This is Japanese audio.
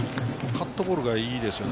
カットボールがいいですよね。